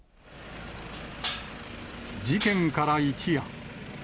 事件から一夜。